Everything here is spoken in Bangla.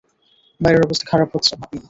বাইরের অবস্থা খারাপ হচ্ছে, পাপি।